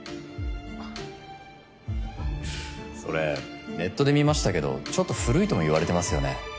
あっははっそれネットで見ましたけどちょっと古いともいわれてますよね？